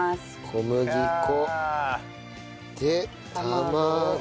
小麦粉。で卵。